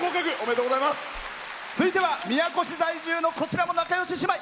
続いては宮古市在住のこちらも仲よし姉妹。